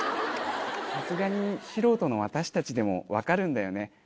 さすがに素人の私たちでもわかるんだよね。